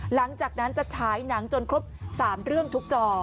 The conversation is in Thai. หลังจากนั้นจะฉายหนังจนครบ๓เรื่องทุกจอ